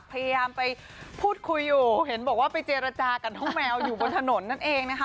พยายามไปพูดคุยอยู่เห็นบอกว่าไปเจรจากับน้องแมวอยู่บนถนนนั่นเองนะคะ